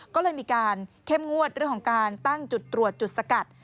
ก็เลยมีการเข้มงวดเรื่องของการตั้งจุดตรวจจุดสกัด